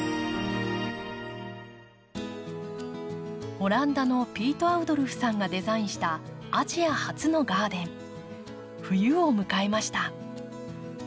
オランダのピート・アウドルフさんがデザインしたアジア初のガーデン冬を迎えました。